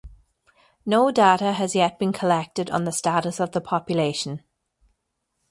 No data has yet been collected on the status of the population.